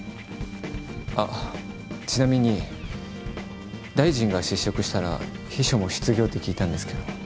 あっちなみに大臣が失職したら秘書も失業って聞いたんですけど。